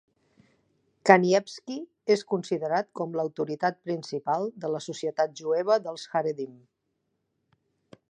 Kanievsky és considerat com l'autoritat principal de la societat jueva dels haredim.